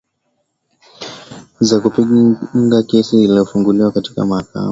za kupinga kesi iliofunguliwa katika mahakama